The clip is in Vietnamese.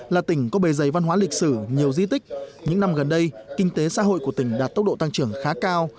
là tỉnh có bề dày văn hóa lịch sử nhiều di tích những năm gần đây kinh tế xã hội của tỉnh đạt tốc độ tăng trưởng khá cao